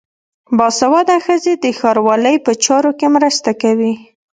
باسواده ښځې د ښاروالۍ په چارو کې مرسته کوي.